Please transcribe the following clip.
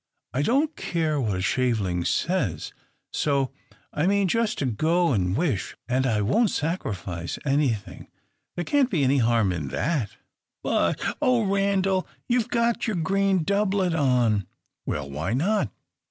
I don't care what a shaveling says: so I mean just to go and wish, and I won't sacrifice anything. There can't be any harm in that!" "But, oh Randal, you've got your green doublet on!" "Well! why not?"